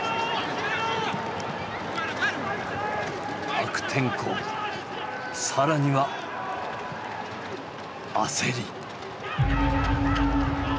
悪天候更には焦り。